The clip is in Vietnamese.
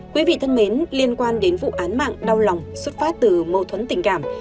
quý vị thân mến liên quan đến vụ án mạng đau lòng xuất phát từ mâu thuẫn tình cảm